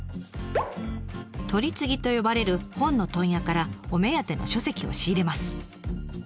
「取次」と呼ばれる本の問屋からお目当ての書籍を仕入れます。